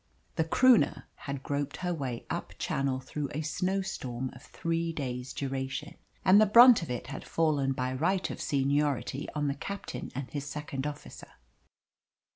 The Croonah had groped her way up Channel through a snowstorm of three days' duration, and the brunt of it had fallen by right of seniority on the captain and his second officer.